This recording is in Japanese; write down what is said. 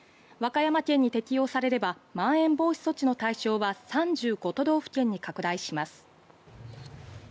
和歌山県に適用されればまん延防止措置の対象は３５都道府県に拡大します。